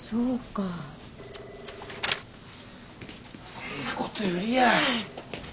そんなことよりや。